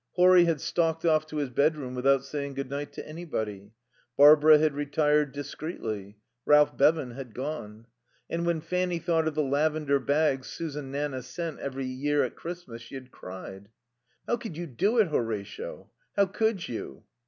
Horry had stalked off to his bedroom without saying good night to anybody. Barbara had retired discreetly. Ralph Bevan had gone. And when Fanny thought of the lavender bags Susan Nanna sent every year at Christmas, she had cried. "How could you do it, Horatio? How could you?"